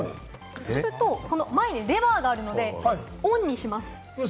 すると前にレバーがあるので、オンにします。